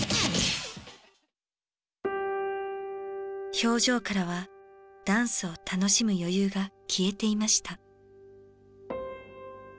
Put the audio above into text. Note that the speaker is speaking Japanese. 表情からはダンスを楽しむ余裕が消えていました。